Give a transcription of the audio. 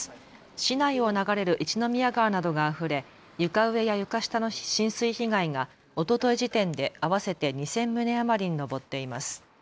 市内を流れる一宮川などがあふれ床上や床下の浸水被害がおととい時点で合わせて２０００棟余りに上っています。